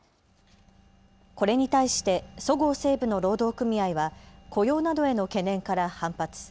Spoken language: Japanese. これに対してそごう・西武の労働組合は雇用などへの懸念から反発。